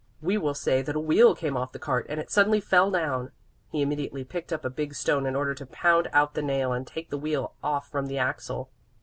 "We will say that a wheel came off the cart, and it suddenly fell down." He immediately picked up a big stone in order to pound out the nail and take the wheel off from the axle.